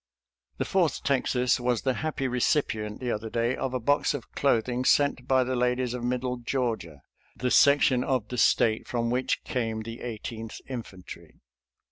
The Fourth Texas was the happy recipient the other day of a box of clothing sent by the ladies of middle Georgia, the section of the State from which came the Eighteenth Infantry.